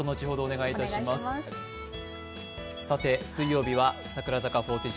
水曜日は櫻坂４６